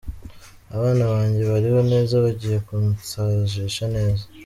Abana banjye bariho neza, bagiye kunsazisha neza.